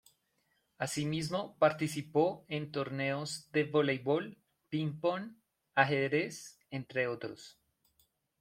Asimismo participó en torneos de voleibol, pingpong, ajedrez, entre otros.